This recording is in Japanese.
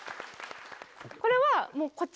これはもうこっち